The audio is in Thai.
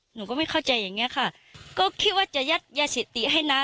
หนูก็ไม่เข้าใจอย่างเงี้ยค่ะก็คิดว่าจะยัดยาเสพติดให้น้า